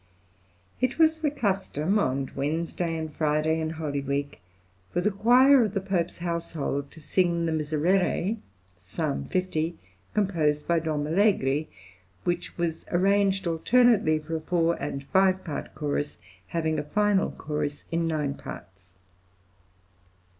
It was the custom on Wednesday and Friday in Holy Week for the choir of the Pope's household to sing the Miserere (Ps. 50), composed by Dom. Allegri, which was arranged alternately for a four and five part chorus, having a final {THE ITALIAN TOUR.} (120) chorus in nine parts.